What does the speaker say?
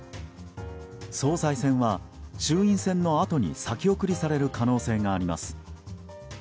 総裁選は、衆院選のあとに先送りされる可能性があります。